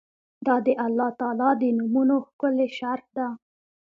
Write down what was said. دا د الله تعالی د نومونو ښکلي شرح ده